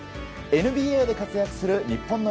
ＮＢＡで活躍する日本の